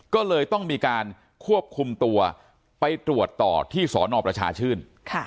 ก็เลยต้องมีการควบคุมตัวไปตรวจต่อที่สนประชาชื่น